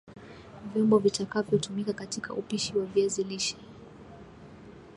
Vyombo vitakavyo tumika katika upishi wa viazi lishe